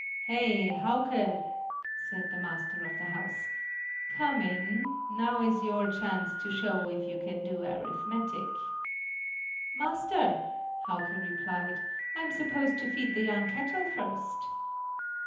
"Hey, Hauke," said the master of the house, "come in; now is your chance to show if you can do arithmetic!" "Master," Hauke replied; "I'm supposed to feed the young cattle first."